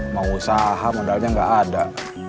mau usaha modalnya nggak ada